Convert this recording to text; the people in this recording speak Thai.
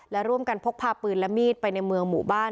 และร่วมกันพกพาปืนและมีดไปในเมืองหมู่บ้าน